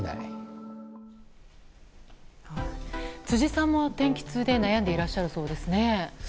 辻さんも天気痛で悩んでいらっしゃるそうですね。